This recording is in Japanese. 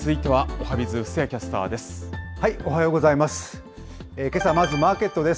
おはようございます。